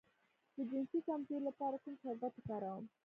د جنسي کمزوری لپاره کوم شربت وکاروم؟